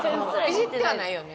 いじってはないよね？